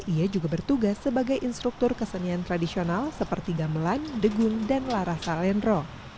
ia juga bertugas sebagai instruktur kesenian tradisional seperti gamelan degun dan larasa lendro